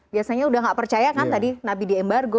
biasanya udah gak percaya kan tadi nabi diembargo